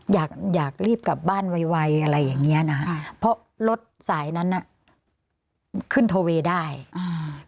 อยากอยากรีบกลับบ้านไวไวอะไรอย่างเงี้ยนะฮะค่ะเพราะรถสายนั้นน่ะขึ้นโทเวได้อ่า